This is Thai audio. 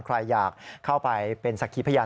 ใครอยากเข้าไปเป็นสักขีพยาน